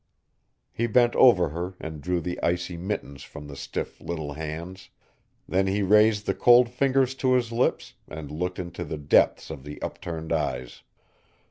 He bent over her and drew the icy mittens from the stiff, little hands; then he raised the cold fingers to his lips, and looked into the depths of the upturned eyes.